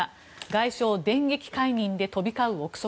外相電撃解任で飛び交う憶測。